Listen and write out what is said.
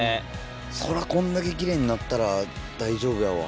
そらこんだけ奇麗になったら大丈夫やわ。